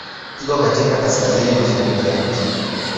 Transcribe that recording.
Iko katika kaskazini-mashariki ya nchi.